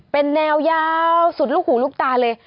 เป็นแนวยาวสุดลูกหูลูกตาเลย